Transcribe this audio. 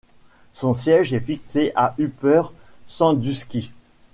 Son siège est fixé à Upper Sandusky.